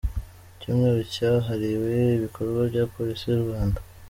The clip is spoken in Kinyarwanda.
Icyumweru cyahariwe ibikorwa bya Polisi y’u Rwanda